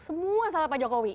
semua salah pak jokowi